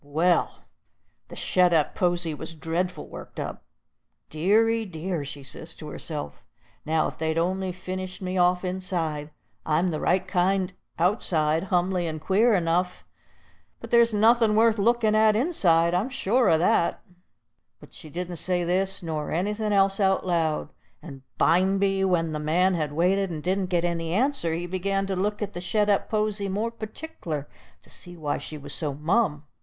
Well, the shet up posy was dreadful worked up. "Deary dear!" she says to herself, "now if they'd on'y finished me off inside! I'm the right kind outside, humly and queer enough, but there's nothin' worth lookin' at inside, I'm certain sure o' that." But she didn't say this nor anything else out loud, and bimeby, when the man had waited, and didn't get any answer, he begun to look at the shet up posy more partic'lar, to see why she was so mum.